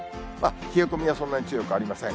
冷え込みはそんなに強くありません。